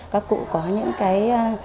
các cụ có những cái